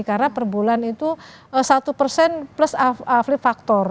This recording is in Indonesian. karena perbulan itu satu plus aflifaktor